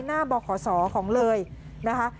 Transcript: หน้าบ่อข่อสอของเลยนะคะ